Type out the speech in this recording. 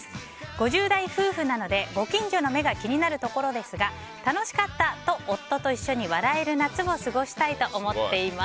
５０代夫婦なので、ご近所の目が気になるところですが楽しかったと夫と一緒に笑える夏を過ごしたいと思っています。